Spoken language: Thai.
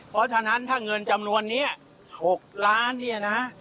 เพราะฉะนั้นถ้าเงินจำนวนนี้๖ล้านเนี่ยนะ